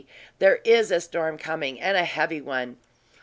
There is a storm coming, and a heavy one!